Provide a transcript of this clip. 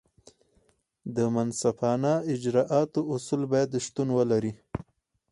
د منصفانه اجراآتو اصول باید شتون ولري.